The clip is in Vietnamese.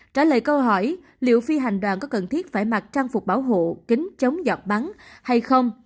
trả lời câu hỏi liệu phi hành đoàn có cần thiết phải mặc trang phục bảo hộ kính chống giọt bắn hay không